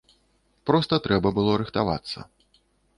Проста трэба было рыхтавацца.